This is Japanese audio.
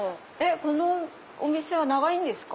このお店は長いんですか？